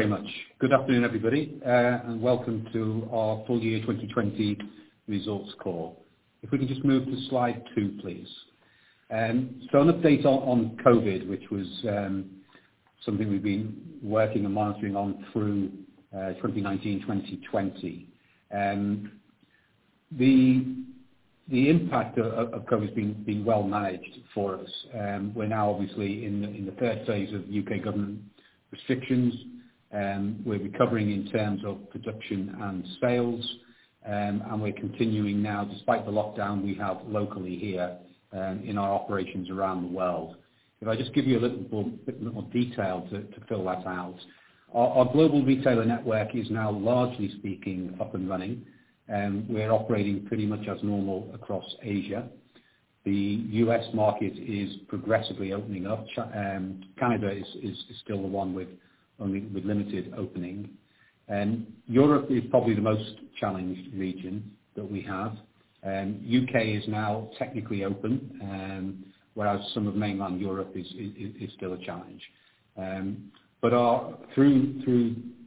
Thank you very much. Good afternoon, everybody, and welcome to our full year 2020 results call. If we can just move to slide two, please. An update on COVID, which was something we've been working and monitoring on through 2019, 2020. The impact of COVID has been well managed for us. We're now obviously in the first phase of U.K. government restrictions. We're recovering in terms of production and sales, and we're continuing now despite the lockdown we have locally here in our operations around the world. If I just give you a little bit more detail to fill that out. Our global retailer network is now largely speaking up and running. We're operating pretty much as normal across Asia. The U.S. market is progressively opening up. Canada is still the one with only with limited opening. Europe is probably the most challenged region that we have. U.K. is now technically open, whereas some of mainland Europe is still a challenge. Through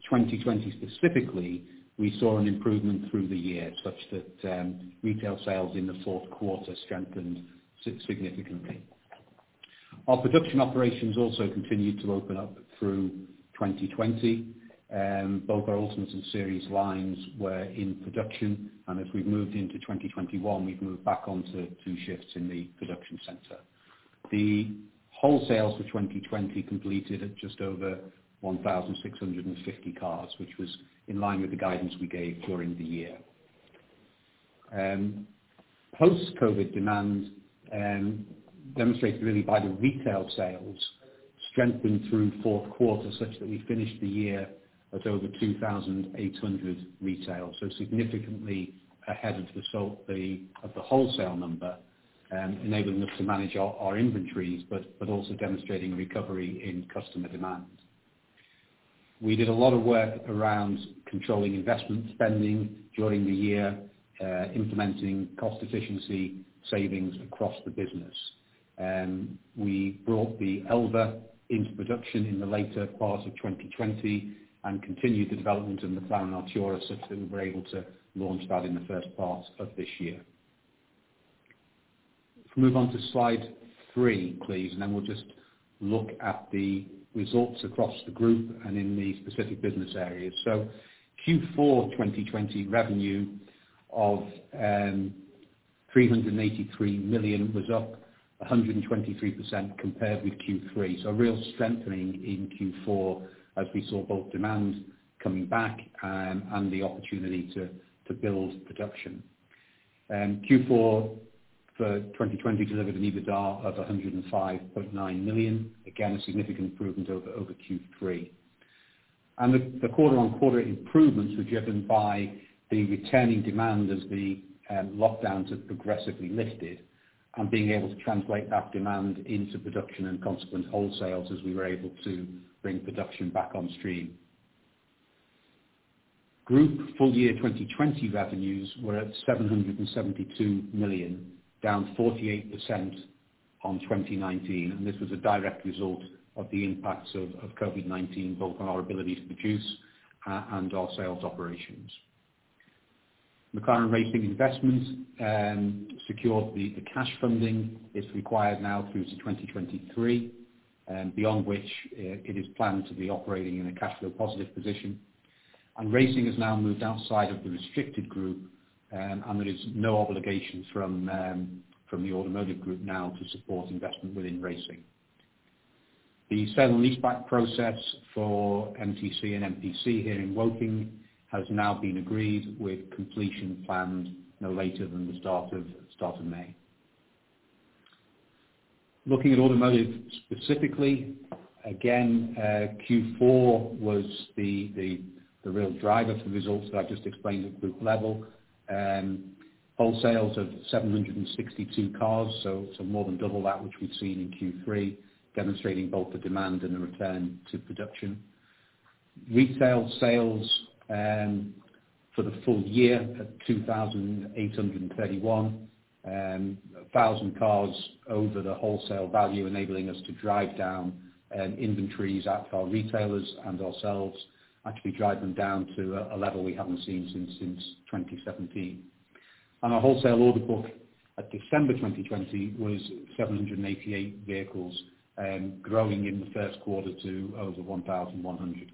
2020 specifically, we saw an improvement through the year such that retail sales in the fourth quarter strengthened significantly. Our production operations also continued to open up through 2020. Both our Ultimate and Series lines were in production, as we've moved into 2021, we've moved back on to two shifts in the production center. The wholesales for 2020 completed at just over 1,650 cars, which was in line with the guidance we gave during the year. Post-COVID-19 demand, demonstrated really by the retail sales, strengthened through fourth quarter such that we finished the year at over 2,800 retail, significantly ahead of the wholesale number, enabling us to manage our inventories, also demonstrating recovery in customer demand. We did a lot of work around controlling investment spending during the year, implementing cost efficiency savings across the business. We brought the Elva into production in the later part of 2020 and continued development in the McLaren Artura, such that we were able to launch that in the first part of this year. If we move on to slide three, please, we'll just look at the results across the group and in the specific business areas. Q4 2020 revenue of 383 million was up 123% compared with Q3. A real strengthening in Q4 as we saw both demand coming back and the opportunity to build production. Q4 for 2020 delivered an EBITDA of 105.9 million. Again, a significant improvement over Q3. The quarter-on-quarter improvements were driven by the returning demand as the lockdowns have progressively lifted and being able to translate that demand into production and consequent wholesales as we were able to bring production back on stream. Group full year 2020 revenues were at 772 million, down 48% on 2019, and this was a direct result of the impacts of COVID-19, both on our ability to produce and our sales operations. McLaren Racing investments secured the cash funding is required now through to 2023, beyond which it is planned to be operating in a cash flow positive position. Racing has now moved outside of the restricted group, and there is no obligation from the automotive group now to support investment within Racing. The sale and lease back process for MTC and MPC here in Woking has now been agreed with completion planned no later than the start of May. Looking at automotive specifically, again, Q4 was the real driver for the results that I just explained at group level. Wholesales of 762 cars, so more than double that which we'd seen in Q3, demonstrating both the demand and the return to production. Retail sales for the full year at 2,831, 1,000 cars over the wholesale value, enabling us to drive down inventories at our retailers and ourselves, actually drive them down to a level we haven't seen since 2017. Our wholesale order book at December 2020 was 788 vehicles, growing in the first quarter to over 1,100.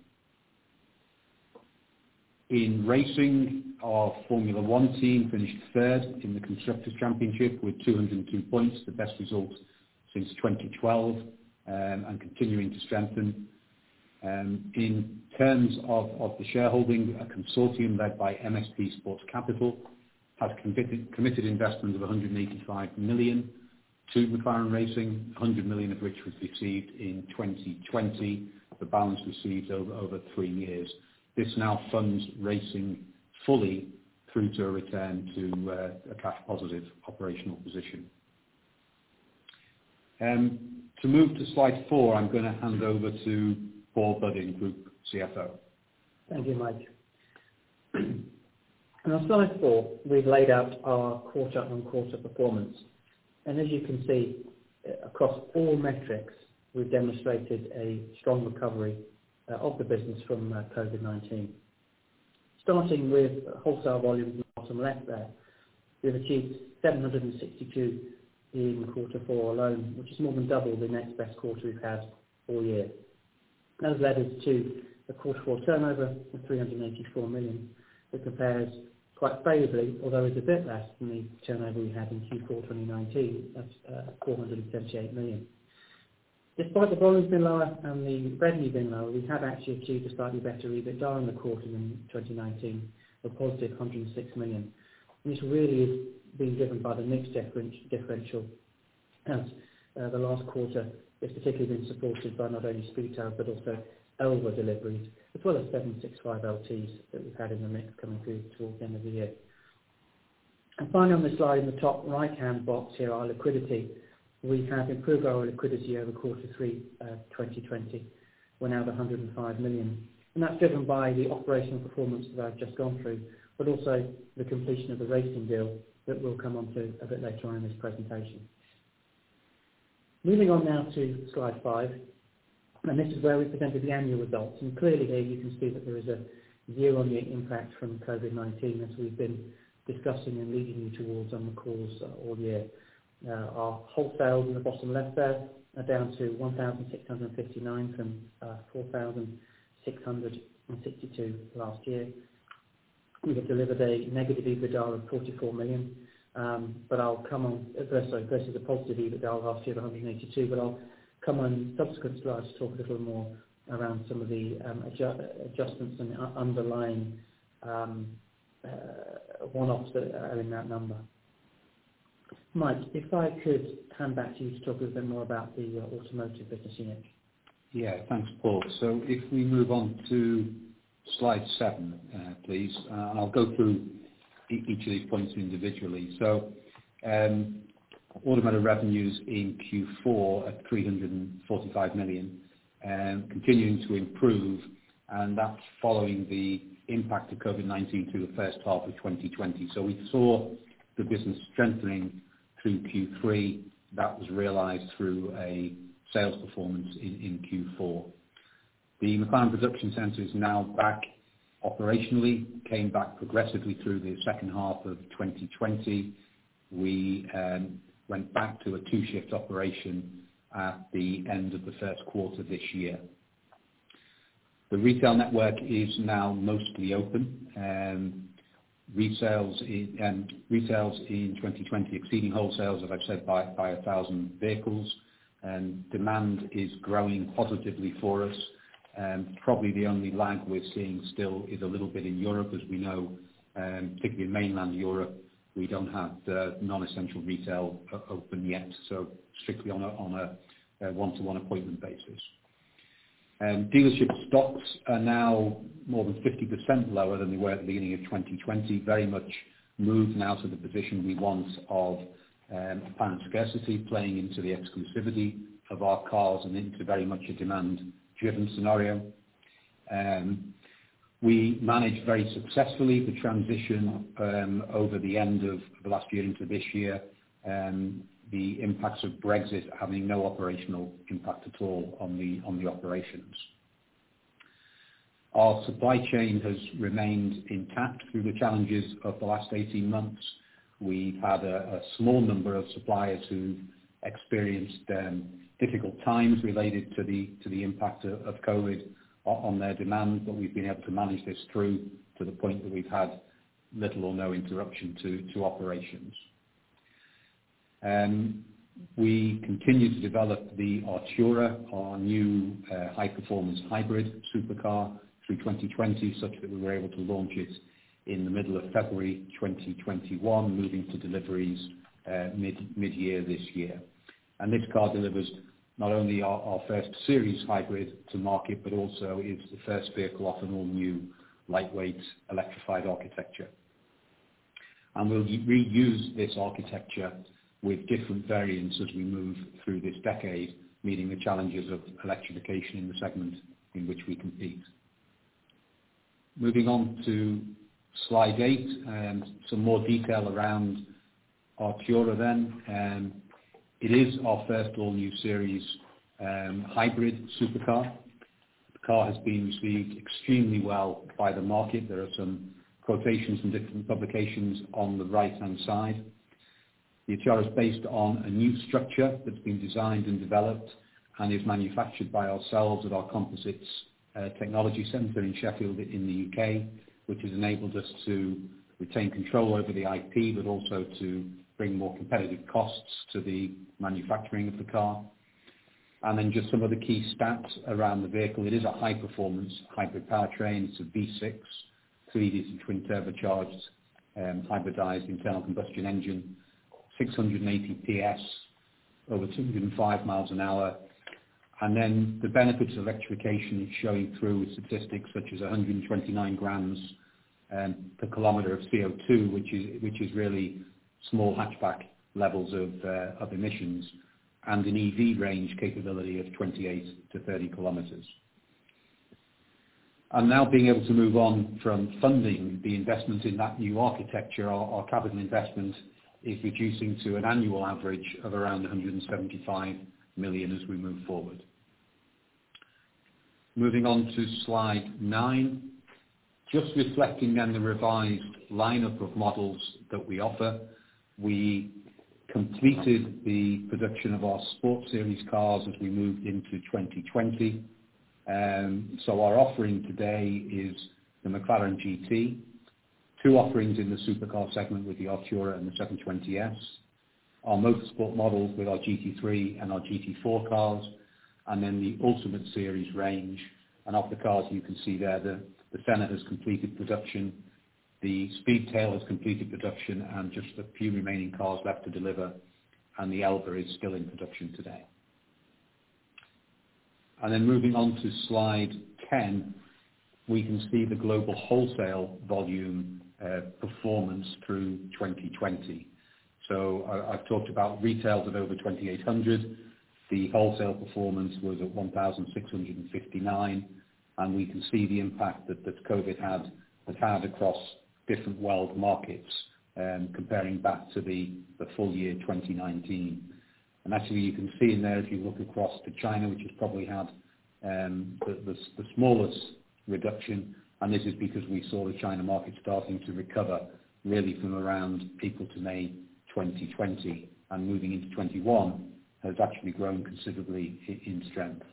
In racing, our Formula 1 team finished third in the Constructors' Championship with 202 points, the best result since 2012, and continuing to strengthen. In terms of the shareholding, a consortium led by MSP Sports Capital has committed investment of 185 million to McLaren Racing, 100 million of which was received in 2020. The balance received over three years. This now funds Racing fully through to a return to a cash positive operational position. To move to slide four, I'm going to hand over to Paul Buddin, Group CFO. Thank you, Mike. On slide four, we've laid out our quarter-on-quarter performance. As you can see, across all metrics, we've demonstrated a strong recovery of the business from COVID-19. Starting with wholesale volume in the bottom left there, we have achieved 762 in quarter four alone, which is more than double the next best quarter we've had all year. That has led us to a quarter four turnover of 384 million, which compares quite favorably, although it's a bit less than the turnover we had in Q4 2019, at 438 million. Despite the volume being lower and the revenue being lower, we have actually achieved a slightly better EBITDA in the quarter in 2019, a positive 106 million. This really is being driven by the mix differential. The last quarter has particularly been supported by not only Speedtail, but also Elva deliveries, as well as 765 LTs that we've had in the mix coming through towards the end of the year. Finally on this slide, in the top right-hand box here, our liquidity. We have improved our liquidity over quarter three of 2020. We're now at 105 million. That's driven by the operational performance that I've just gone through, but also the completion of the racing deal that we'll come onto a bit later on in this presentation. Moving on now to slide five, this is where we presented the annual results. Clearly here you can see that there is a year-on-year impact from COVID-19 as we've been discussing and leading you towards on the calls all year. Our wholesale in the bottom left there, are down to 1,659 from 4,662 last year. We have delivered a negative EBITDA of 44 million. Sorry, versus a positive EBITDA last year of 182 million. I'll come on subsequent slides to talk a little more around some of the adjustments and underlying one-offs that are in that number. Mike, if I could hand back to you to talk a bit more about the automotive business unit. Thanks Paul. If we move on to slide seven, please, and I'll go through each of these points individually. Automotive revenues in Q4 at 345 million, continuing to improve, and that's following the impact of COVID-19 through the first half of 2020. We saw the business strengthening through Q3. That was realized through a sales performance in Q4. The McLaren Production Centre is now back operationally, came back progressively through the second half of 2020. We went back to a two shift operation at the end of the first quarter this year. The retail network is now mostly open. Retails in 2020 exceeding wholesales, as I've said, by 1,000 vehicles. Demand is growing positively for us. Probably the only lag we're seeing still is a little bit in Europe, as we know, particularly in mainland Europe, we don't have the non-essential retail open yet, so strictly on a one-to-one appointment basis. Dealership stocks are now more than 50% lower than they were at the beginning of 2020, very much moving now to the position we want of planned scarcity playing into the exclusivity of our cars and into very much a demand driven scenario. We managed very successfully the transition over the end of last year into this year. The impacts of Brexit having no operational impact at all on the operations. Our supply chain has remained intact through the challenges of the last 18 months. We've had a small number of suppliers who experienced difficult times related to the impact of COVID-19 on their demand, but we've been able to manage this through to the point that we've had little or no interruption to operations. We continued to develop the Artura, our new high-performance hybrid supercar through 2020, such that we were able to launch it in the middle of February 2021, moving to deliveries mid-year this year. This car delivers not only our first series hybrid to market, but also is the first vehicle off an all-new lightweight electrified architecture. We'll reuse this architecture with different variants as we move through this decade, meeting the challenges of electrification in the segment in which we compete. Moving on to slide eight, some more detail around Artura then. It is our first all-new series hybrid supercar. The car has been received extremely well by the market. There are some quotations from different publications on the right-hand side. The Artura is based on a new structure that's been designed and developed and is manufactured by ourselves at our composites technology center in Sheffield in the U.K., which has enabled us to retain control over the IP, also to bring more competitive costs to the manufacturing of the car. Just some of the key stats around the vehicle. It is a high performance hybrid powertrain, it's a V6, 3.0-litre twin turbocharged hybridized internal combustion engine, 680 PS, over 205 miles an hour. The benefits of electrification showing through with statistics such as 129 grams per kilometer of CO2, which is really small hatchback levels of emissions. An EV range capability of 28-30 kilometers. Now being able to move on from funding the investment in that new architecture, our capital investment is reducing to an annual average of around 175 million as we move forward. Moving on to slide nine. Just reflecting on the revised lineup of models that we offer. We completed the production of our Sports Series cars as we moved into 2020. Our offering today is the McLaren GT. Two offerings in the supercar segment with the Artura and the 720S. Our motorsport model with our GT3 and our GT4 cars, and then the Ultimate Series range. Of the cars you can see there, the Senna has completed production, the Speedtail has completed production, and just a few remaining cars left to deliver, and the Elva is still in production today. Then moving on to slide 10, we can see the global wholesale volume performance through 2020. I've talked about retails of over 2,800. The wholesale performance was at 1,659, and we can see the impact that COVID has had across different world markets, comparing back to the full year 2019. Actually, you can see in there as you look across to China, which has probably had the smallest reduction, and this is because we saw the China market starting to recover really from around April to May 2020, and moving into 2021, has actually grown considerably in strength.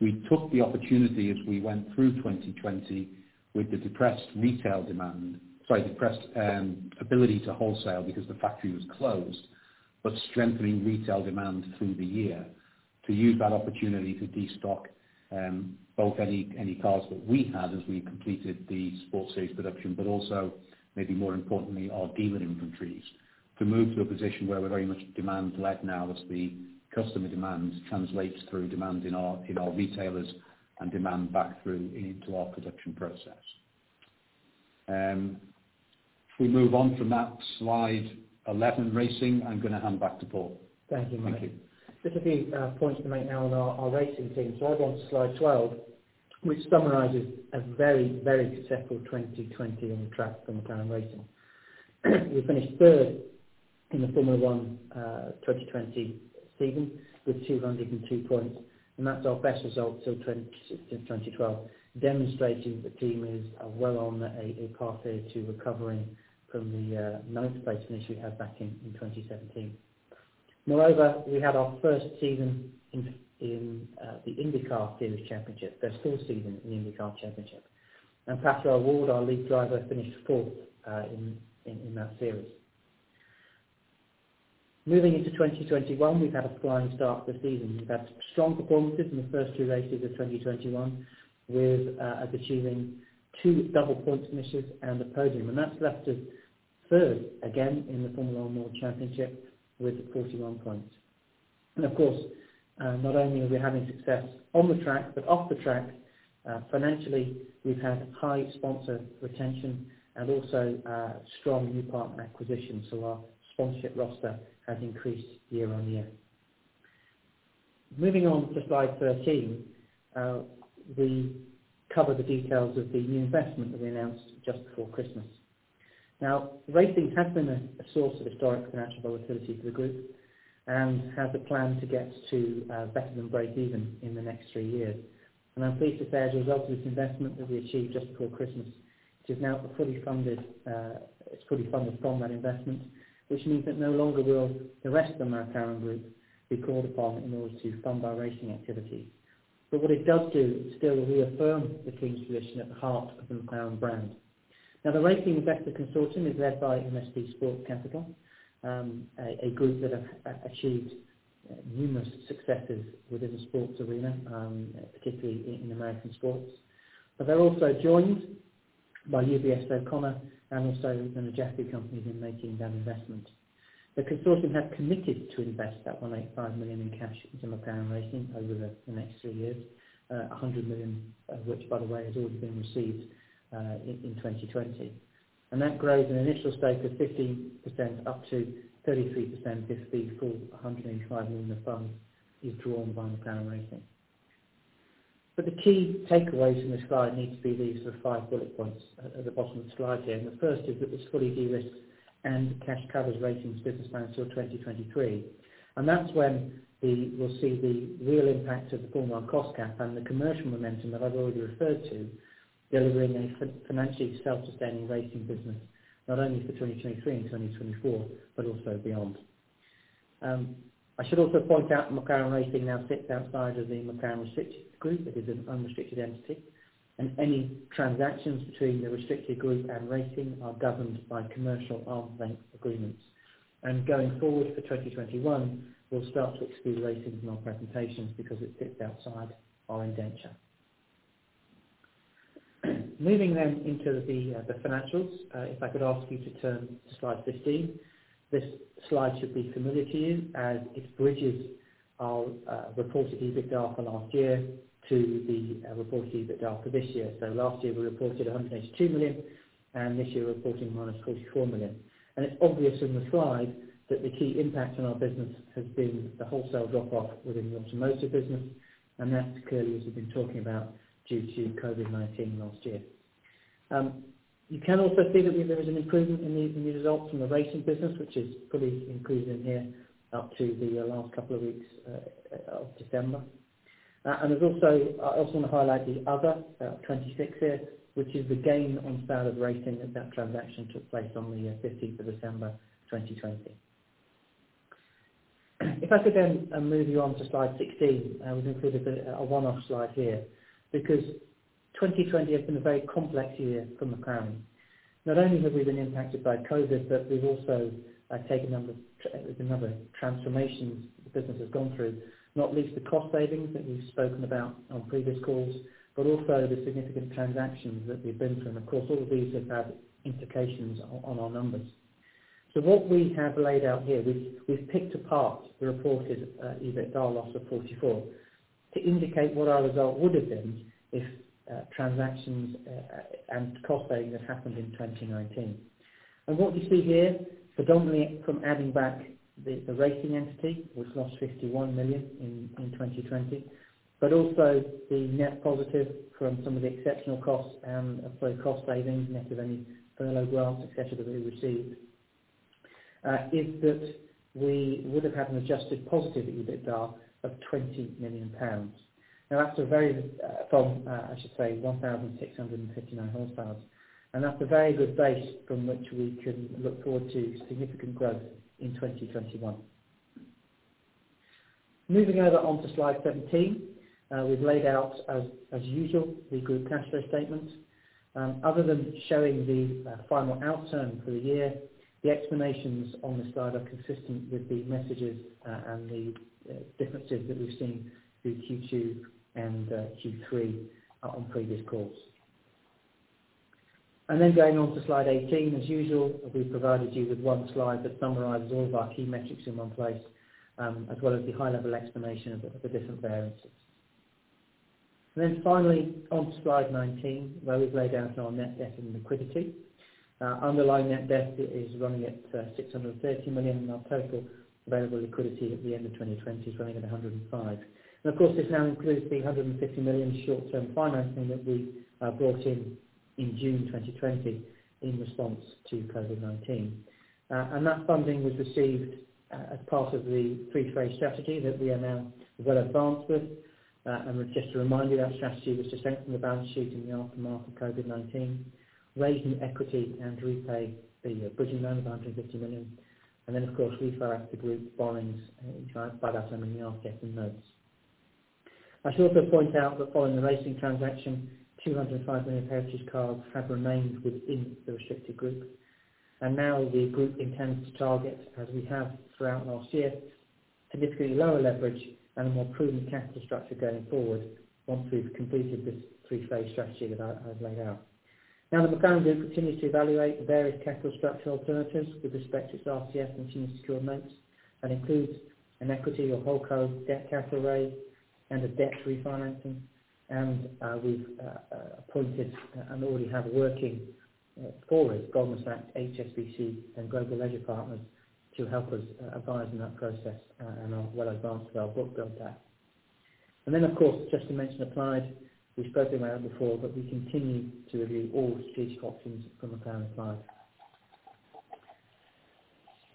We took the opportunity as we went through 2020 with the depressed retail demand, sorry, depressed ability to wholesale because the factory was closed, but strengthening retail demand through the year to use that opportunity to destock, both any cars that we had as we completed the Sports Series production, but also, maybe more importantly, our dealer inventories. To move to a position where we're very much demand-led now as the customer demand translates through demand in our retailers and demand back through into our production process. If we move on from that, slide 11, racing, I'm going to hand back to Paul. Thank you, Mike. Thank you. Just a few points to make now on our racing team. I want slide 12, which summarizes a very successful 2020 on the track for McLaren Racing. We finished third in the Formula 1 2020 season with 202 points, and that's our best result since 2012, demonstrating the team is well on a pathway to recovering from the ninth place finish we had back in 2017. Moreover, we had our first season in the NTT IndyCar Series, the full season in the IndyCar Championship. Pato O'Ward, our lead driver, finished fourth in that series. Moving into 2021, we've had a flying start to the season. We've had strong performances in the first two races of 2021, with achieving two double-point finishes and a podium. That's left us third again in the Formula One World Championship with 41 points. Of course, not only are we having success on the track, but off the track, financially, we've had high sponsor retention and also strong new partner acquisitions. Our sponsorship roster has increased year-on-year. Moving on to slide 13. We cover the details of the new investment that we announced just before Christmas. Racing has been a source of historic financial volatility for the group, and has a plan to get to better than break even in the next three years. I'm pleased to say, as a result of this investment that we achieved just before Christmas, it's fully funded from that investment, which means that no longer will the rest of the McLaren Group be called upon in order to fund our racing activity. What it does do is still reaffirm the team's position at the heart of the McLaren brand. Now, the racing investor consortium is led by MSP Sports Capital, a group that have achieved numerous successes within the sports arena, particularly in American sports. They're also joined by UBS O'Connor and also The Najafi Companies who've been making that investment. The consortium have committed to invest that 185 million in cash into McLaren Racing over the next three years. 100 million, which by the way, has already been received in 2020. That grows an initial stake of 15% up to 33% if the full 185 million of funds is drawn by McLaren Racing. The key takeaways from this slide need to be these 5 bullet points at the bottom of the slide here. The first is that it's fully de-risked, and cash covers Racing's business plan till 2023. That's when we will see the real impact of the Formula 1 cost cap and the commercial momentum that I've already referred to, delivering a financially self-sustaining racing business, not only for 2023 and 2024, but also beyond. I should also point out McLaren Racing now sits outside of the McLaren restricted group. It is an unrestricted entity. Any transactions between the restricted group and Racing are governed by commercial arm's length agreements. Going forward for 2021, we'll start to exclude Racing from our presentations because it sits outside our indenture. Moving into the financials. If I could ask you to turn to slide 15. This slide should be familiar to you as it bridges our reported EBITDA for last year to the reported EBITDA for this year. Last year, we reported 182 million, and this year we're reporting -44 million. It's obvious from the slide that the key impact on our business has been the wholesale drop-off within the automotive business, and that's clearly as we've been talking about due to COVID-19 last year. You can also see that there is an improvement in the results from the racing business, which is fully included in here up to the last couple of weeks of December. I also want to highlight the other, 26 here, which is the gain on sale of racing, and that transaction took place on the 15th of December 2020. If I could then move you on to slide 16, we've included a one-off slide here because 2020 has been a very complex year for McLaren. Not only have we been impacted by COVID-19, but the number of transformations the business has gone through, not least the cost savings that we've spoken about on previous calls, but also the significant transactions that we've been through. Of course, all of these have had implications on our numbers. What we have laid out here, we've picked apart the reported EBITDA loss of 44 to indicate what our result would have been if transactions and cost savings had happened in 2019. What you see here, predominantly from adding back the racing entity, which lost 51 million in 2020, but also the net positive from some of the exceptional costs and cost savings, net of any furlough grants, et cetera, that we received, is that we would have had an adjusted positive EBITDA of 20 million pounds from, I should say, 1,659 wholesales. That's a very good base from which we can look forward to significant growth in 2021. Moving over onto slide 17. We've laid out, as usual, the group cash flow statement. Other than showing the final outturn for the year, the explanations on the slide are consistent with the messages and the differences that we've seen through Q2 and Q3 on previous calls. Going on to slide 18, as usual, we've provided you with one slide that summarizes all of our key metrics in one place, as well as the high-level explanation of the different variances. Finally, on to slide 19, where we've laid out our net debt and liquidity. Underlying net debt is running at 630 million, and our total available liquidity at the end of 2020 is running at 105. Of course, this now includes the 150 million short-term financing that we brought in in June 2020 in response to COVID-19. That funding was received as part of the three-phase strategy that we are now well advanced with. Just to remind you, that strategy was to strengthen the balance sheet in the aftermath of COVID-19, raising equity and repay the bridging loan of 150 million. Then, of course, refinance the group's borrowings by that same amount of debt and notes. I should also point out that following the racing transaction, 205 million heritage cars have remained within the restricted group, and now the group intends to target, as we have throughout last year, significantly lower leverage and a more prudent capital structure going forward once we've completed this three-phase strategy that I've laid out. Now, the McLaren Group continues to evaluate the various capital structure alternatives with respect to its RCF and unsecured notes. That includes an equity or holdco debt capital raise and a debt refinancing. We've appointed and already have working for us Goldman Sachs, HSBC, and Global Leisure Partners to help us advise in that process and are well advanced with our book build there. Of course, just to mention McLaren Applied, we've spoken about it before, but we continue to review all strategic options for McLaren Applied.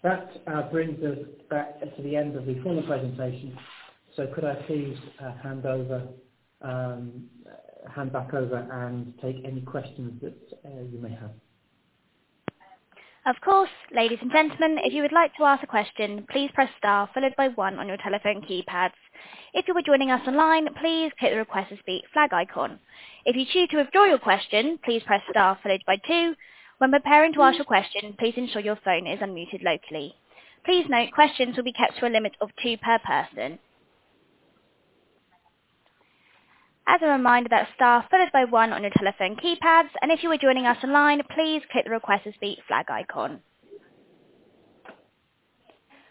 That brings us back to the end of the formal presentation. Could I please hand back over and take any questions that you may have? Of course. Ladies and gentlemen, if you would like to ask a question, please press star followed by one on your telephone keypads. If you are joining us online, please click the request to speak flag icon. If you choose to withdraw your question, please press star followed by two. When preparing to ask your question, please ensure your phone is unmuted locally. Please note questions will be kept to a limit of two per person. As a reminder, that's star followed by one on your telephone keypads, and if you are joining us online, please click the request to speak flag icon.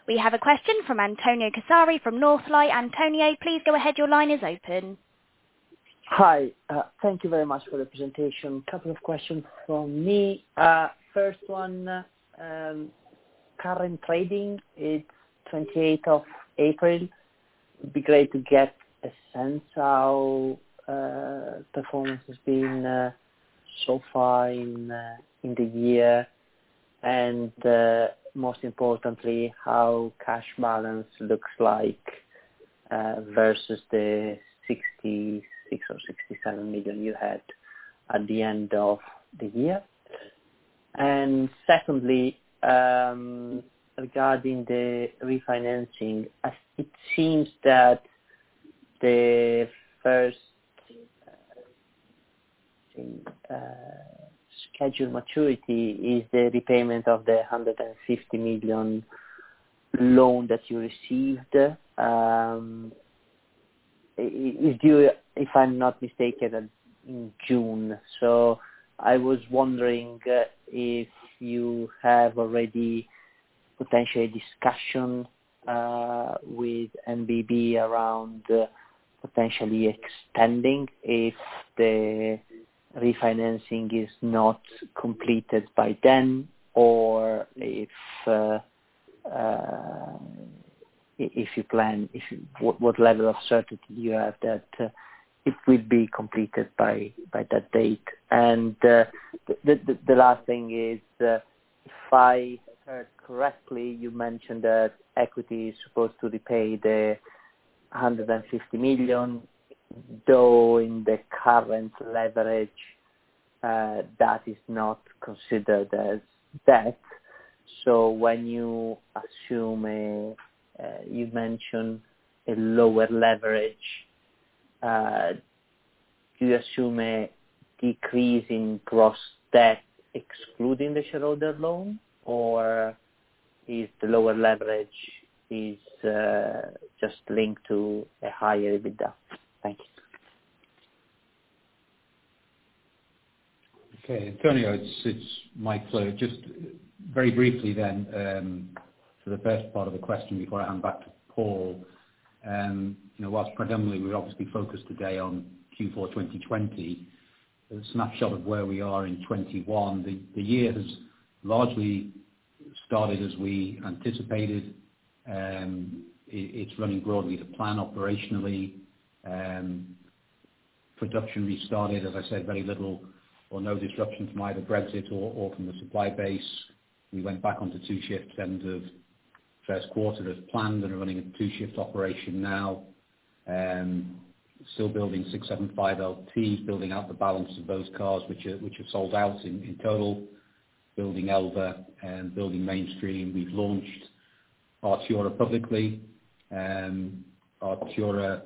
We have a question from Antonio Casari from Northlight. Antonio, please go ahead. Your line is open. Hi. Thank you very much for the presentation. Couple of questions from me. First one, current trading. It's 28th of April. It'd be great to get a sense how performance has been so far in the year and, most importantly, how cash balance looks like versus the 66 million or 67 million you had at the end of the year. Secondly, regarding the refinancing, it seems that the first scheduled maturity is the repayment of the 150 million loan that you received. It's due, if I'm not mistaken, in June. So I was wondering if you have already potentially a discussion with NBB around potentially extending if the refinancing is not completed by then, or if you plan, what level of certainty you have that it will be completed by that date. The last thing is, if I heard correctly, you mentioned that equity is supposed to repay the 150 million, though in the current leverage, that is not considered as debt. When you assume, you mentioned a lower leverage, do you assume a decrease in gross debt excluding the shareholder loan? Is the lower leverage just linked to a higher EBITDA? Thank you. Okay, Antonio, it's Mike Flewitt. Just very briefly, for the first part of the question before I hand back to Paul. Whilst predominantly we are obviously focused today on Q4 2020, a snapshot of where we are in 2021, the year has largely started as we anticipated. It's running broadly to plan operationally. Production restarted, as I said, very little or no disruption from either Brexit or from the supply base. We went back onto two shifts end of first quarter as planned and are running a two shift operation now. Still building 675LT, building out the balance of those cars, which have sold out in total. Building Elva and building mainstream. We've launched Artura publicly. Artura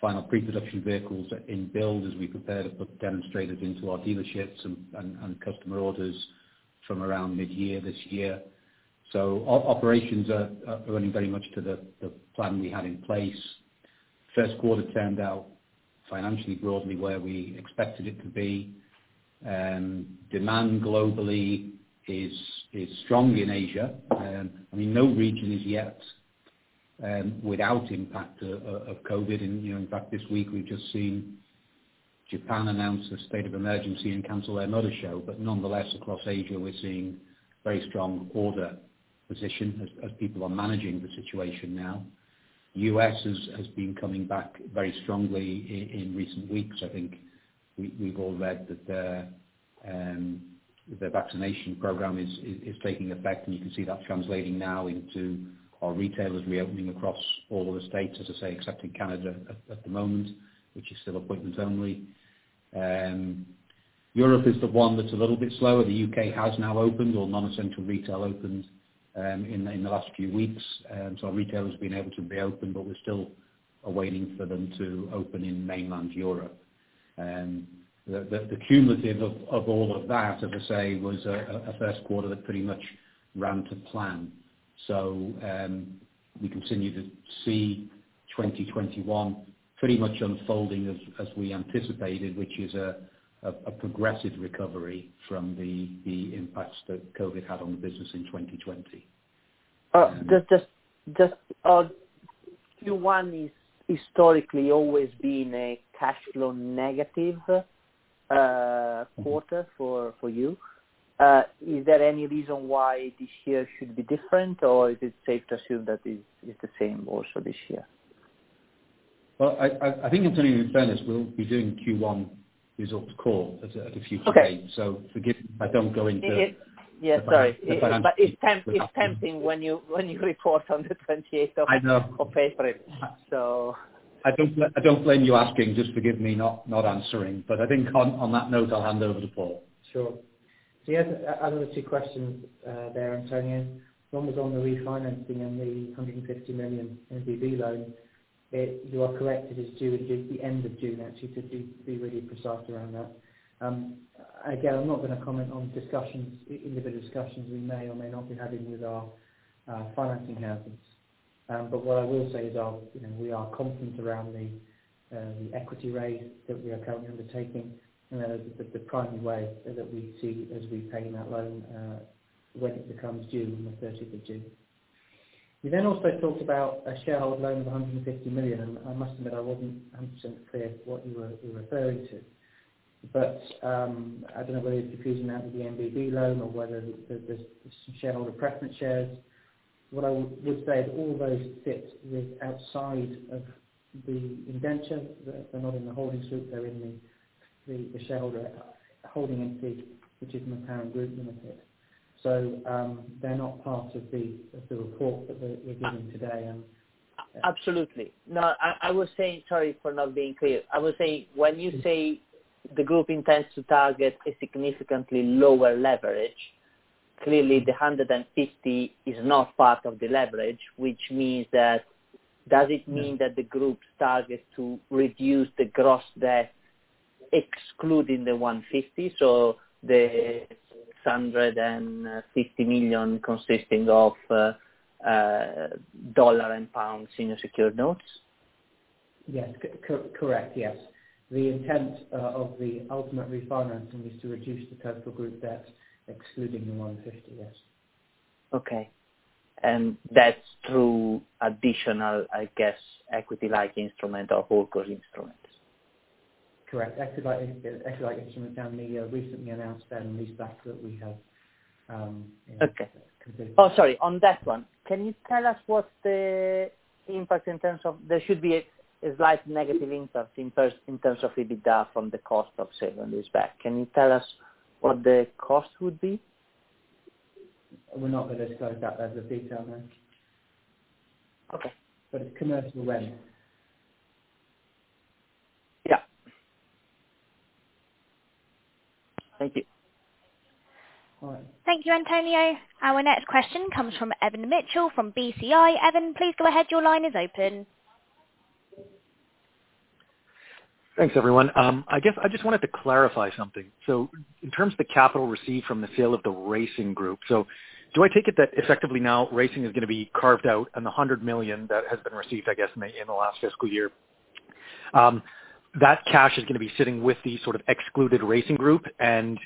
final pre-production vehicles are in build as we prepare to put demonstrators into our dealerships and customer orders from around mid-year this year. Our operations are running very much to the plan we had in place. First quarter turned out financially broadly where we expected it to be. Demand globally is strong in Asia. I mean, no region is yet without impact of COVID-19. In fact, this week we've just seen Japan announce a state of emergency and cancel their motor show. Nonetheless, across Asia, we're seeing very strong order position as people are managing the situation now. U.S. has been coming back very strongly in recent weeks. I think we've all read that their vaccination program is taking effect, and you can see that translating now into our retailers reopening across all of the states, as I say, except in Canada at the moment, which is still appointments only. Europe is the one that's a little bit slower. The U.K. has now opened, all non-essential retail opened in the last few weeks. Retail has been able to be open, but we still are waiting for them to open in mainland Europe. The cumulative of all of that, as I say, was a first quarter that pretty much ran to plan. We continue to see 2021 pretty much unfolding as we anticipated, which is a progressive recovery from the impacts that COVID had on the business in 2020. Just, Q1 is historically always been a cash flow negative quarter for you. Is there any reason why this year should be different, or is it safe to assume that it's the same also this year? Well, I think, Antonio, in fairness, we'll be doing Q1 results call a few times. Okay. Forgive me if I don't go into it. Yeah, sorry. But I- It's tempting when you report on the 28th of. I know. February. I don't blame you asking, just forgive me not answering. I think on that note, I'll hand over to Paul. Sure. You had another two questions there, Antonio. One was on the refinancing and the 150 million NBB loan. You are correct. It is due at the end of June, actually, be ready for us after around that. Again, I'm not going to comment on individual discussions we may or may not be having with our financing houses. What I will say is we are confident around the equity raise that we are currently undertaking. That is the primary way that we see as we paying that loan, when it becomes due on the 30th of June. You also talked about a shareholder loan of 150 million, and I must admit, I wasn't 100% clear what you were referring to. I don't know whether you're confusing that with the NBB loan or whether there's some shareholder preference shares. What I would say is all those sit with outside of the indenture. They're not in the holding group, they're in the shareholder holding entity, which is McLaren Group Limited. They're not part of the report that we're giving today. Absolutely. I was saying, sorry for not being clear. I was saying, when you say the group intends to target a significantly lower leverage, clearly the 150 is not part of the leverage, which means that does it mean that the group targets to reduce the gross debt excluding the 150? The 150 million consisting of dollar and pound in the secured notes? Yes. Correct. The intent of the ultimate refinancing is to reduce the total group debt, excluding the 150. Yes. Okay. That's through additional, I guess, equity-like instrument or holdco group instrument. Correct. equity-like instrument and the recently announced sale and leaseback that we have completed. Okay. Oh, sorry. On that one, can you tell us what the impact? There should be a slight negative impact in terms of EBITDA from the cost of sale and leaseback. Can you tell us what the cost would be? We're not going to disclose that as a detail, no. Okay. It's commercially well. Yeah. Thank you. All right. Thank you, Antonio. Our next question comes from Evan Mitchell from BCI. Evan, please go ahead. Your line is open. Thanks, everyone. I guess I just wanted to clarify something. In terms of the capital received from the sale of the Racing Group, do I take it that effectively now Racing is going to be carved out and the 100 million that has been received, I guess, in the last fiscal year, that cash is going to be sitting with the sort of excluded Racing Group and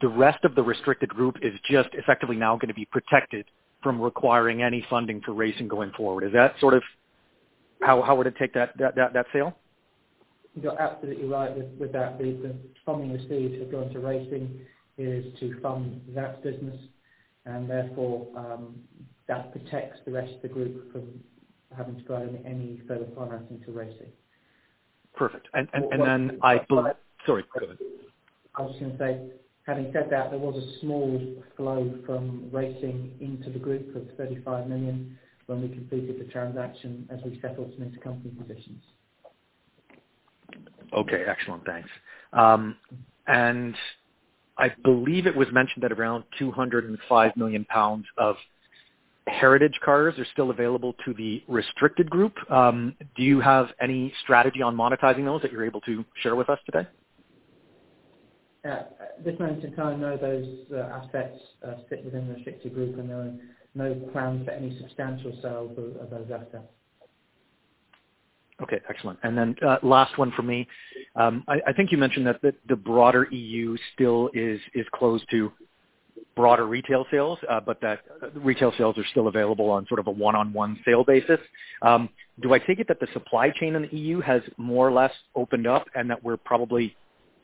the rest of the restricted group is just effectively now going to be protected from requiring any funding for Racing going forward. Is that sort of how would I take that sale? You're absolutely right with that. The funding received to go into racing is to fund that business and therefore, that protects the rest of the group from having to go any further financing to racing. Perfect. Sorry, go ahead. I was just going to say, having said that, there was a small flow from racing into the group of 35 million when we completed the transaction as we settled some intercompany positions. Okay. Excellent. Thanks. I believe it was mentioned that around 205 million pounds of heritage cars are still available to the restricted group. Do you have any strategy on monetizing those that you're able to share with us today? At this moment in time, no, those assets sit within the restricted group, and there are no plans for any substantial sale of those assets. Okay, excellent. Then last one for me. I think you mentioned that the broader EU still is closed to broader retail sales, but that retail sales are still available on sort of a one-on-one sale basis. Do I take it that the supply chain in the EU has more or less opened up and that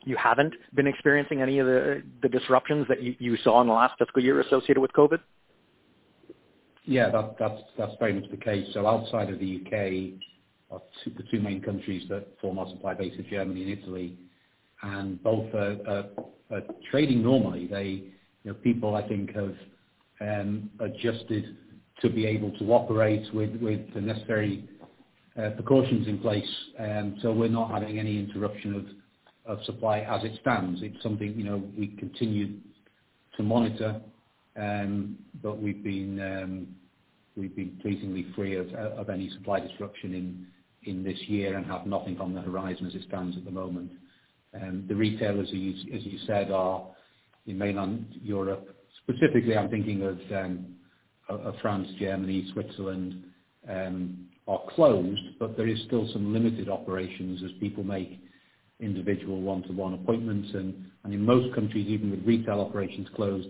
you haven't been experiencing any of the disruptions that you saw in the last fiscal year associated with COVID-19? Yeah, that's very much the case. Outside of the U.K., the two main countries that form our supply base are Germany and Italy, and both are trading normally. People, I think, have adjusted to be able to operate with the necessary precautions in place, so we're not having any interruption of supply as it stands. It's something we continue to monitor, but we've been pleasingly free of any supply disruption in this year and have nothing on the horizon as it stands at the moment. The retailers, as you said, are in mainland Europe. Specifically, I'm thinking of France, Germany, Switzerland, are closed, but there is still some limited operations as people make individual one-to-one appointments. In most countries, even with retail operations closed,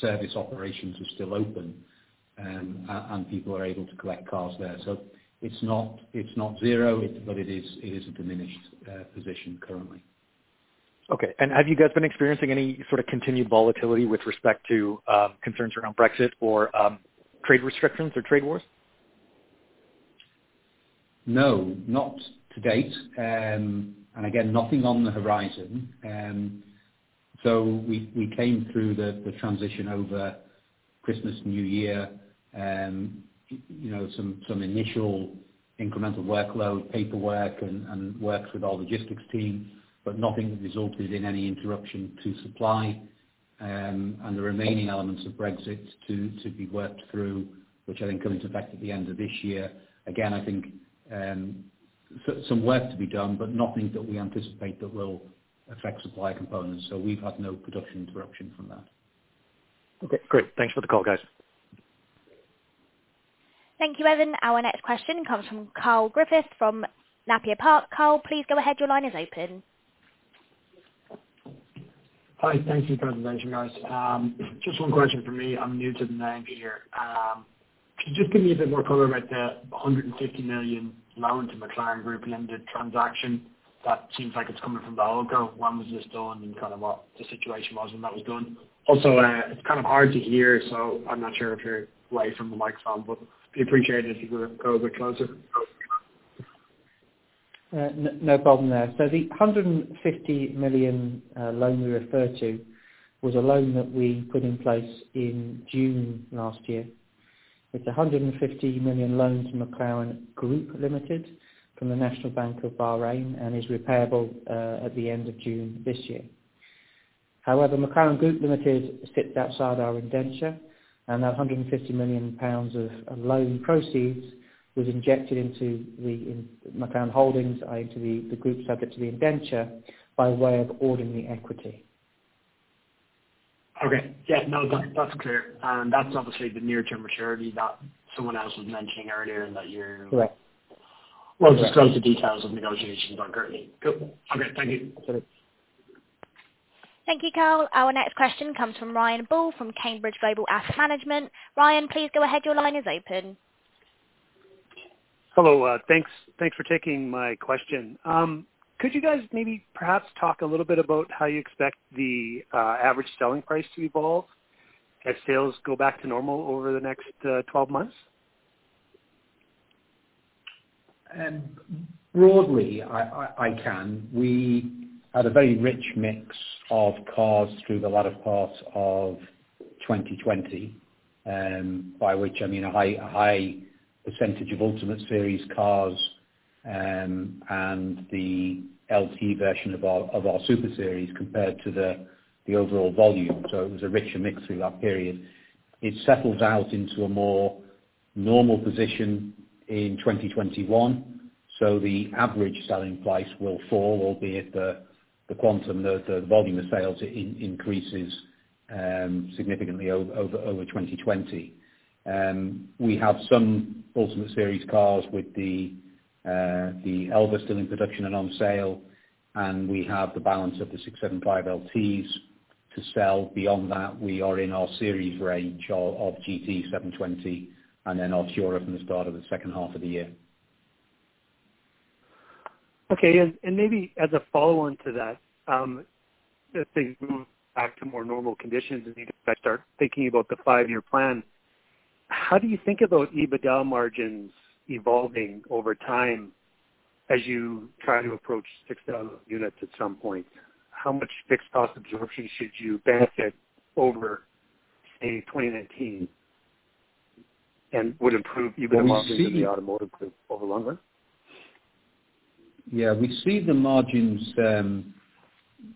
service operations are still open, and people are able to collect cars there. It's not 0, but it is a diminished position currently. Okay. Have you guys been experiencing any sort of continued volatility with respect to concerns around Brexit or trade restrictions or trade wars? No, not to date. Again, nothing on the horizon. We came through the transition over Christmas, New Year, some initial incremental workload, paperwork, and works with our logistics team, but nothing that resulted in any interruption to supply. The remaining elements of Brexit to be worked through, which I think come into effect at the end of this year. Again, I think some work to be done, but nothing that we anticipate that will affect supply components. We've had no production interruption from that. Okay, great. Thanks for the call, guys. Thank you, Evan. Our next question comes from Karl Griffith from Napier Park. Karl, please go ahead. Your line is open. Hi. Thank you for the presentation, guys. Just one question from me. I'm new to the name here. Could you just give me a bit more color about the 150 million loan to McLaren Group Limited transaction? That seems like it's coming from the holdco. When was this done and kind of what the situation was when that was done? Also, it's kind of hard to hear, so I'm not sure if you're away from the microphone, but I'd appreciate it if you could go a bit closer. No problem there. The 150 million loan we refer to was a loan that we put in place in June last year. It's 150 million loan to McLaren Group Limited from the National Bank of Bahrain and is repayable at the end of June this year. However, McLaren Group Limited sits outside our indenture, and that 150 million pounds of loan proceeds was injected into the McLaren Holdings into the group subject to the indenture by way of ordinary equity. Okay. Yeah, no, that's clear. That's obviously the near-term maturity that someone else was mentioning earlier. Correct. We'll disclose the details of negotiations on currently. Cool. Okay. Thank you. That's it. Thank you, Karl. Our next question comes from Ryan Ball from Cambridge Global Asset Management. Ryan, please go ahead. Your line is open. Hello. Thanks for taking my question. Could you guys maybe perhaps talk a little bit about how you expect the average selling price to evolve as sales go back to normal over the next 12 months? Broadly, I can. We had a very rich mix of cars through the latter parts of 2020, by which I mean a high percentage of Ultimate Series cars, and the LT version of our Super Series compared to the overall volume. It was a richer mix through that period. It settles out into a more normal position in 2021. The average selling price will fall, albeit the quantum, the volume of sales increases significantly over 2020. We have some Ultimate Series cars with the Elva still in production and on sale, and we have the balance of the 675LTs to sell. Beyond that, we are in our series range of GT, 720S, and then Artura from the start of the second half of the year. Okay. Maybe as a follow-on to that, as things move back to more normal conditions and you guys start thinking about the five-year plan, how do you think about EBITDA margins evolving over time as you try to approach 6,000 units at some point? How much fixed cost absorption should you benefit over, say, 2019 and would improve EBITDA margins? Well, we see- in the automotive group over the long run? Yeah, we see the margins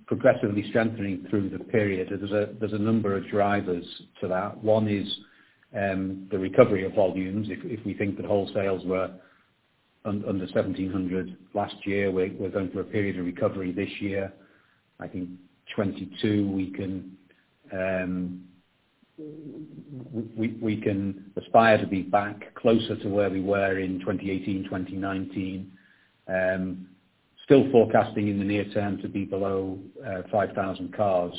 progressively strengthening through the period. There's a number of drivers for that. One is the recovery of volumes. If we think that wholesales were under 1,700 last year, we're going through a period of recovery this year. I think 2022, we can aspire to be back closer to where we were in 2018, 2019. Still forecasting in the near term to be below 5,000 cars.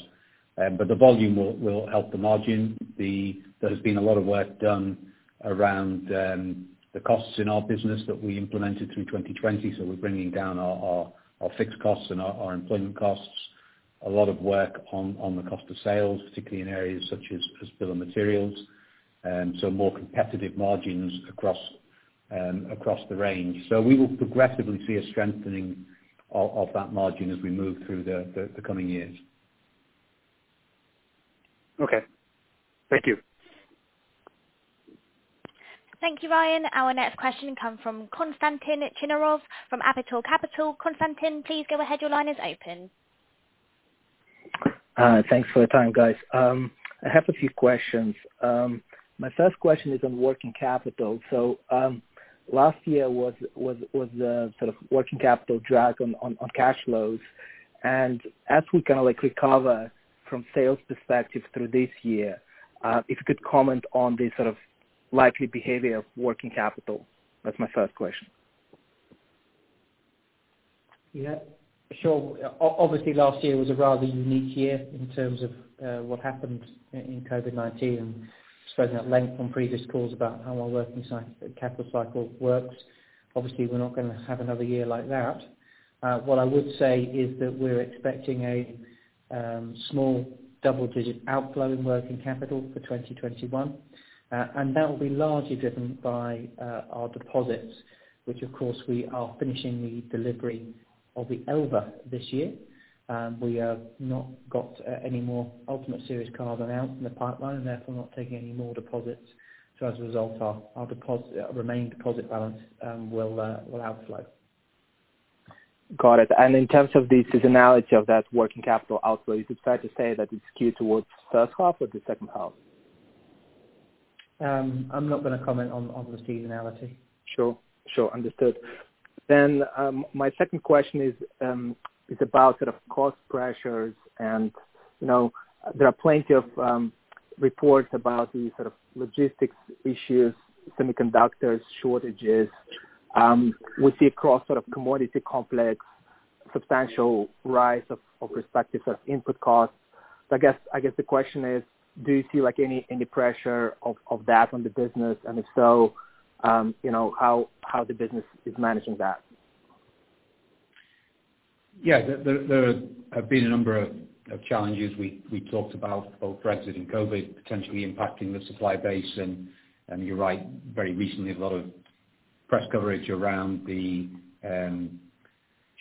The volume will help the margin. There has been a lot of work done around the costs in our business that we implemented through 2020. We're bringing down our fixed costs and our employment costs. A lot of work on the cost of sales, particularly in areas such as bill of materials. More competitive margins across the range. We will progressively see a strengthening of that margin as we move through the coming years. Okay. Thank you. Thank you, Ryan. Our next question comes from Konstantin Chinarov from Aptior Capital. Konstantin, please go ahead. Thanks for the time, guys. I have a few questions. My first question is on working capital. Last year was the sort of working capital drag on cash flows. As we kind of recover from sales perspective through this year, if you could comment on the sort of likely behavior of working capital. That's my first question. Yeah, sure. Last year was a rather unique year in terms of what happened in COVID-19. We've spoken at length on previous calls about how our working capital cycle works. We're not going to have another year like that. What I would say is that we're expecting a small double-digit outflow in working capital for 2021. That will be largely driven by our deposits, which of course, we are finishing the delivery of the Elva this year. We have not got any more Ultimate Series cars announced in the pipeline, and therefore not taking any more deposits. As a result, our remained deposit balance will outflow. Got it. In terms of the seasonality of that working capital outflow, is it fair to say that it's skewed towards first half or the second half? I'm not going to comment on the seasonality. Sure. Understood. My second question is about sort of cost pressures and there are plenty of reports about the sort of logistics issues, semiconductors shortages. We see across sort of commodity complex, substantial rise of respective input costs. I guess the question is: Do you see any pressure of that on the business? If so, how the business is managing that? Yeah. There have been a number of challenges we talked about, both Brexit and COVID-19 potentially impacting the supply base. You're right, very recently, a lot of press coverage around the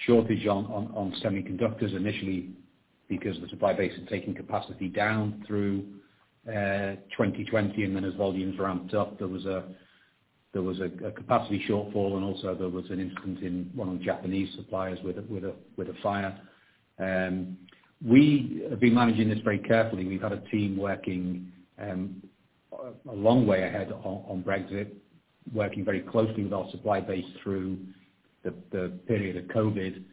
shortage on semiconductors initially because the supply base was taking capacity down through 2020, then as volumes ramped up, there was a capacity shortfall, also there was an incident in one of the Japanese suppliers with a fire. We have been managing this very carefully. We've had a team working a long way ahead on Brexit, working very closely with our supply base through the period of COVID-19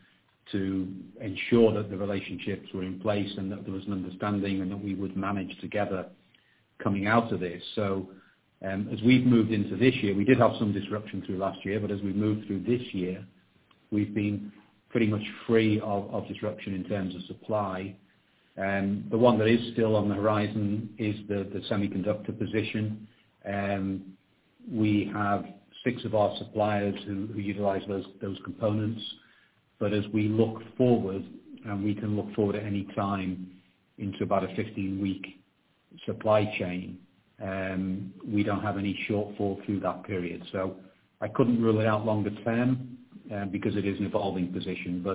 to ensure that the relationships were in place and that there was an understanding, and that we would manage together coming out of this. As we've moved into this year, we did have some disruption through last year, but as we've moved through this year, we've been pretty much free of disruption in terms of supply. The one that is still on the horizon is the semiconductor position. We have six of our suppliers who utilize those components, but as we look forward, and we can look forward any time into about a 15-week supply chain, we don't have any shortfall through that period. I couldn't rule it out longer term, because it is an evolving position.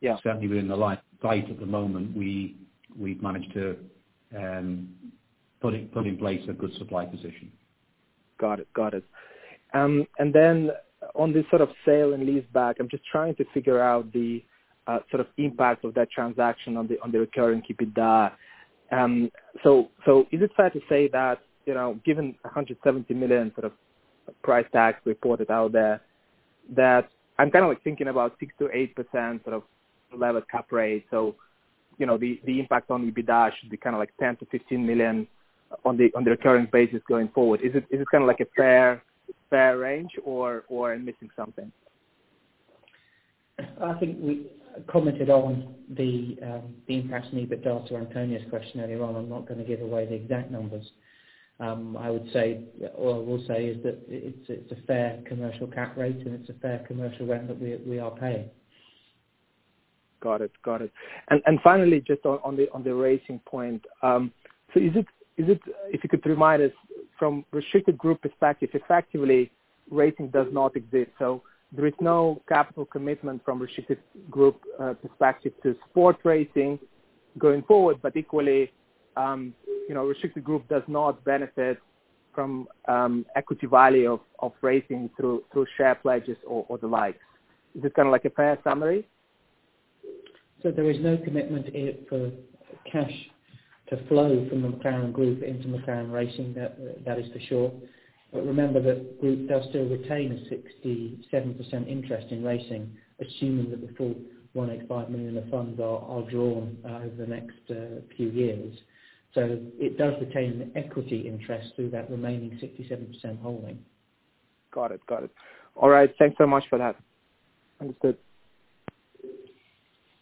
Yeah Certainly within the life cycle at the moment, we've managed to put in place a good supply position. Got it. On this sort of sale and leaseback, I'm just trying to figure out the impact of that transaction on the recurring EBITDA. Is it fair to say that, given 170 million sort of price tag reported out there, that I'm kind of thinking about 6%-8% sort of level cap rate, so the impact on EBITDA should be kind of 10 million-15 million on the recurring basis going forward. Is it kind of like a fair range, or I'm missing something? I think we commented on the impact on EBITDA to Antonio's question earlier on. I'm not going to give away the exact numbers. All I will say is that it's a fair commercial cap rate, and it's a fair commercial rent that we are paying. Got it. Finally, just on the racing point. If you could remind us from a restricted group perspective, effectively racing does not exist, there is no capital commitment from restricted group perspective to support racing going forward. Equally, restricted group does not benefit from equity value of racing through share pledges or the like. Is this kind of like a fair summary? There is no commitment here for cash to flow from the McLaren Group into McLaren Racing, that is for sure. Remember that group does still retain a 67% interest in racing, assuming that the full 185 million of funds are drawn over the next few years. It does retain equity interest through that remaining 67% holding. Got it. All right. Thanks so much for that. Understood.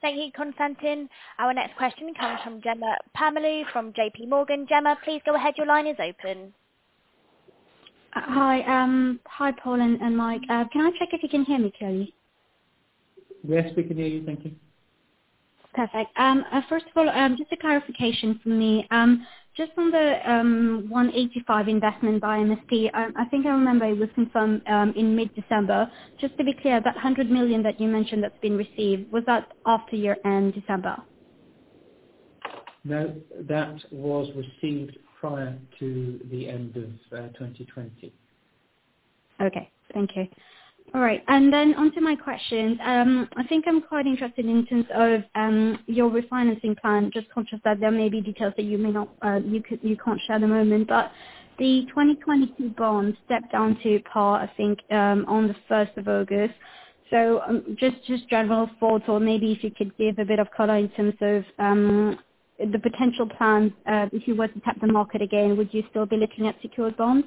Thank you, Konstantin. Our next question comes from Jemma Permalloo from JPMorgan. Jemma, please go ahead. Your line is open. Hi, Paul and Mike. Can I check if you can hear me clearly? Yes, we can hear you. Thank you. Perfect. First of all, just a clarification from me. Just on the 185 investment by MSP, I think I remember it was confirmed in mid-December. Just to be clear, that 100 million that you mentioned that's been received, was that after year-end December? No, that was received prior to the end of 2020. Okay. Thank you. All right, onto my question. I think I'm quite interested in terms of your refinancing plan. Just conscious that there may be details that you can't share at the moment, but the 2022 bond stepped down to par, I think, on the 1st of August. Just general thoughts or maybe if you could give a bit of color in terms of the potential plans, if you were to tap the market again, would you still be looking at secured bonds?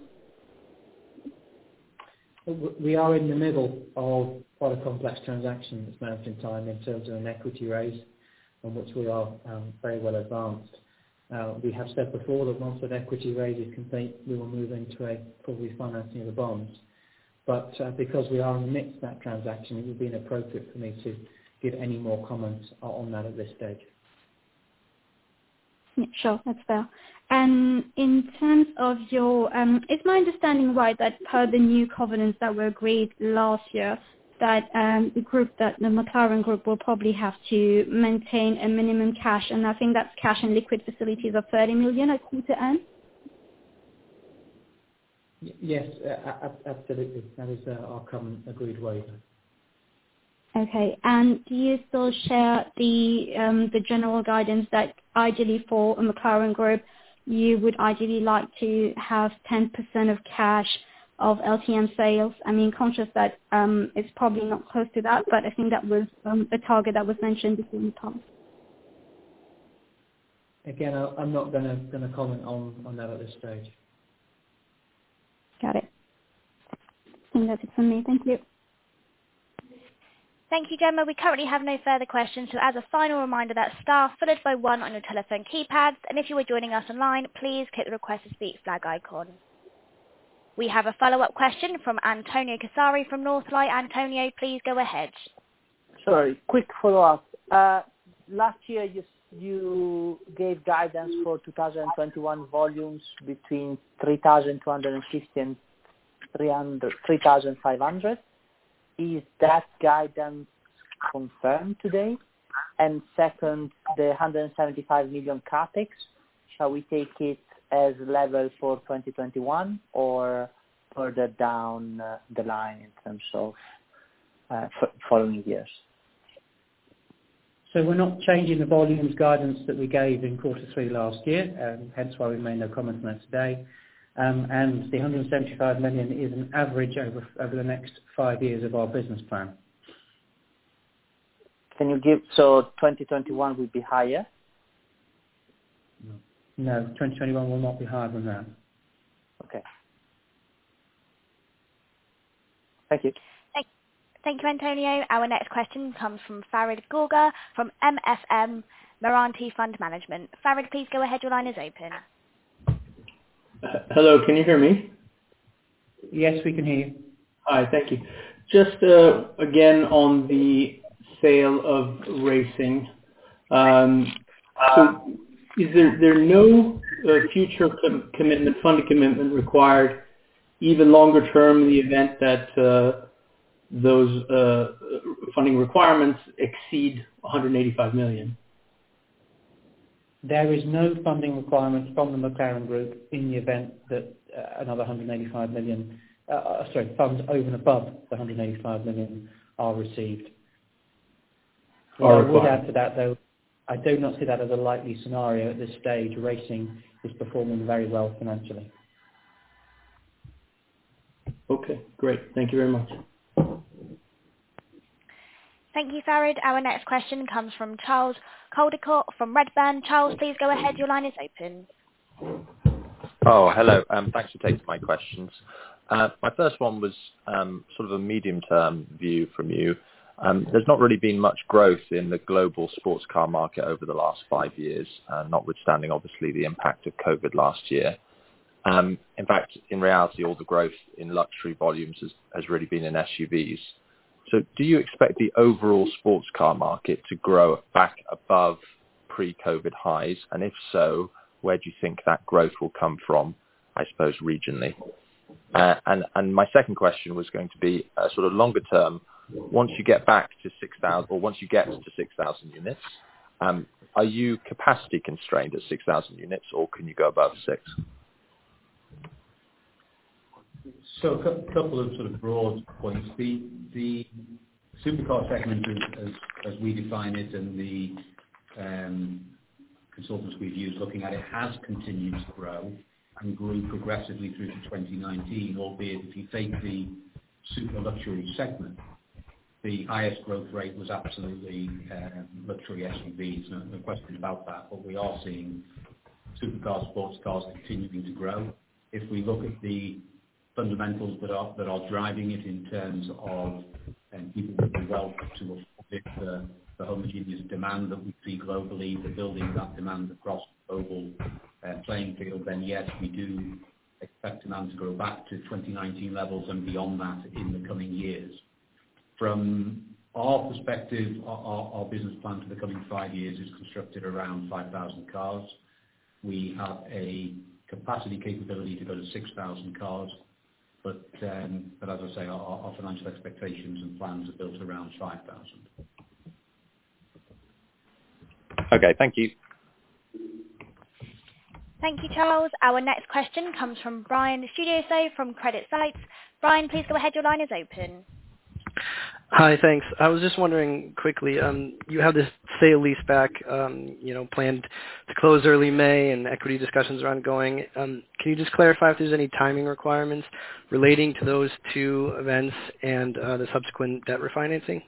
We are in the middle of quite a complex transaction at this moment in time in terms of an equity raise, on which we are very well advanced. We have said before that once that equity raise is complete, we will move into a probably refinancing of the bonds. Because we are in the midst of that transaction, it would be inappropriate for me to give any more comments on that at this stage. Sure. That's fair. Is my understanding right, that per the new covenants that were agreed last year, that the McLaren Group will probably have to maintain a minimum cash, and I think that's cash and liquid facilities of 30 million at quarter end? Yes, absolutely. That is our common agreed waiver. Okay. Do you still share the general guidance that ideally for a McLaren Group, you would ideally like to have 10% of cash of LTM sales? I mean, conscious that it's probably not close to that, but I think that was a target that was mentioned between. Again, I'm not going to comment on that at this stage. Got it. That's it from me. Thank you. Thank you, Jemma Permalloo. We currently have no further questions. As a final reminder, that's star followed by one on your telephone keypad. If you are joining us online, please click the Request to Speak flag icon. We have a follow-up question from Antonio Casari from Northlight. Antonio, please go ahead. Sorry, quick follow-up. Last year, you gave guidance for 2021 volumes between 3,250 and 3,500. Is that guidance confirmed today? Second, the 175 million CapEx, shall we take it as level for 2021 or further down the line in terms of following years? We're not changing the volumes guidance that we gave in quarter three last year, hence why we made no comment on that today. The 175 million is an average over the next five years of our business plan. 2021 will be higher? No, 2021 will not be higher than that. Okay. Thank you. Thank you, Antonio. Our next question comes from Farid Gargour from MFM Mirante Fund Management. Farid, please go ahead. Your line is open. Hello, can you hear me? Yes, we can hear you. Hi. Thank you. Just again on the sale of Racing, is there no future commitment, funding commitment required, even longer term in the event that those funding requirements exceed 185 million? There is no funding requirement from the McLaren Group in the event that, sorry, funds over and above the 185 million are received. Clarified. I would add to that, though, I do not see that as a likely scenario at this stage. Racing is performing very well financially. Okay, great. Thank you very much. Thank you, Farid. Our next question comes from Charles Coldicott from Redburn. Charles, please go ahead. Hello. Thanks for taking my questions. My first one was sort of a medium term view from you. There's not really been much growth in the global sports car market over the last five years, notwithstanding obviously the impact of COVID-19 last year. In fact, in reality, all the growth in luxury volumes has really been in SUVs. Do you expect the overall sports car market to grow back above pre-COVID-19 highs? If so, where do you think that growth will come from, I suppose regionally? My second question was going to be sort of longer term. Once you get to 6,000 units, are you capacity constrained at 6,000 units, or can you go above 6,000? A couple of sort of broad points. The supercar segment as we define it and the consultants we've used looking at it has continued to grow and grew progressively through to 2019. Albeit if you take the super luxury segment, the highest growth rate was absolutely luxury SUVs. No question about that. But we are seeing supercar sports cars continuing to grow. If we look at the fundamentals that are driving it in terms of people putting wealth to a bit, the homogeneous demand that we see globally for building that demand across a global playing field, then yes, we do expect demand to grow back to 2019 levels and beyond that in the coming years. From our perspective, our business plan for the coming five years is constructed around 5,000 cars. We have a capacity capability to go to 6,000 cars. As I say, our financial expectations and plans are built around 5,000. Okay. Thank you. Thank you, Charles. Our next question comes from Brian Studioso from CreditSights. Brian, please go ahead. Your line is open. Hi. Thanks. I was just wondering quickly, you have this sale lease back planned to close early May and equity discussions are ongoing. Can you just clarify if there's any timing requirements relating to those two events and the subsequent debt refinancing?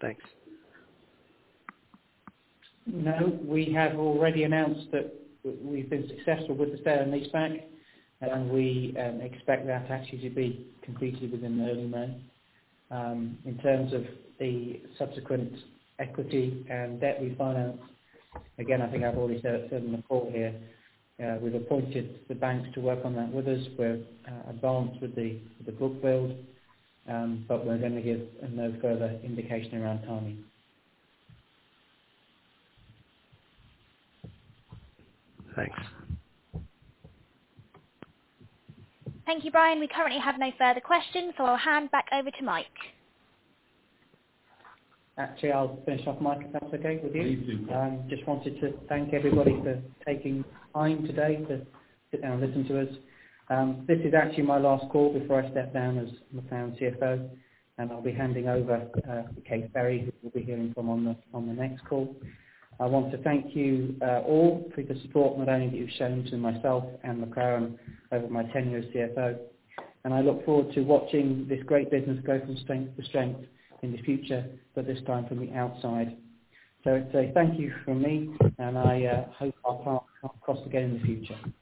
Thanks. No, we have already announced that we've been successful with the sale and lease back, and we expect that actually to be completed within early May. In terms of the subsequent equity and debt refinance, again, I think I've already said on the call here, we've appointed the bank to work on that with us. We're advanced with the book build, but we're going to give no further indication around timing. Thanks. Thank you, Brian. We currently have no further questions, so I'll hand back over to Mike. Actually, I'll finish off, Mike, if that's okay with you. Please do. Just wanted to thank everybody for taking time today to sit down and listen to us. This is actually my last call before I step down as McLaren CFO, and I'll be handing over to Kate Ferry, who you'll be hearing from on the next call. I want to thank you all for the support not only that you've shown to myself and McLaren over my tenure as CFO. I look forward to watching this great business go from strength to strength in the future, but this time from the outside. Thank you from me, and I hope our paths cross again in the future.